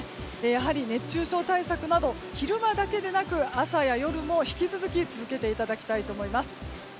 やはり熱中症対策など昼間だけでなく朝や夜も引き続き、続けていただきたいと思います。